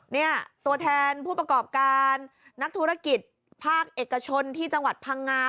เนี่ยตัวแทนผู้ประกอบการนักธุรกิจภาคเอกชนที่จังหวัดพังงา